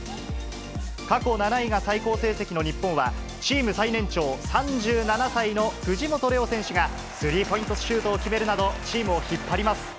過去７位が最高成績の日本は、チーム最年長、３７歳の藤本怜央選手が、スリーポイントシュートを決めるなど、チームを引っ張ります。